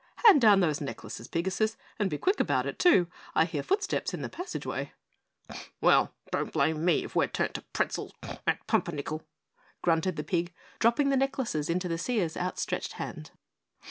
"Hand down those necklaces, Pigasus, and be quick about it too; I hear footsteps in the passageway." "Well, don't blame me if we're turned to pretzels and pumpernickel," grunted the pig, dropping the necklaces into the seer's outstretched hand.